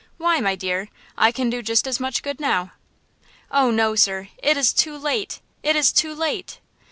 "Why, my dear?" I can do just as much good now." "Oh, no, sir; it is too late; it is too late!"